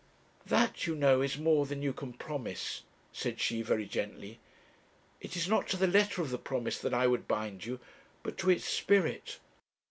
'That, you know, is more than you can promise,' said she, very gently. 'It is not to the letter of the promise that I would bind you, but to its spirit.